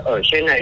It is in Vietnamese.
ở trên này